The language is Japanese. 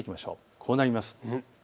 こうなります。